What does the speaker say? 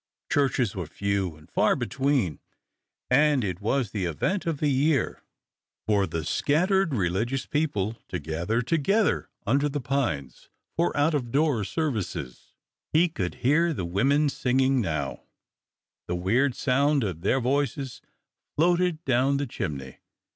Churches were few and far between, and it was the event of the year for the scattered religious people to gather together under the pines for out of door services. He could hear the women singing now, the weird sound of their voices floated down the chimney.